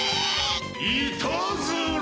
・いたずら！